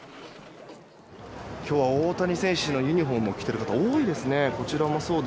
今日は大谷選手のユニホームを着ている方多いですね。